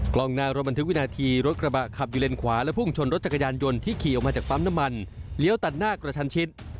กล้องหน้ารถบันทึกวินาทีรถกระบะขับอยู่เลนขวาและพุ่งชนรถจักรยานยนต์ที่ขี่ออกมาจากปั๊มน้ำมันเลี้ยวตัดหน้ากระชันชิด